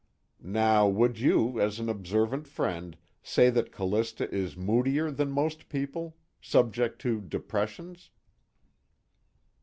"Now would you, as an observant friend, say that Callista is moodier than most people? Subject to depressions?"